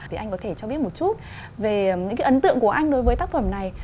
thì anh có thể cho biết một chút về những cái ấn tượng của anh đối với tác phẩm này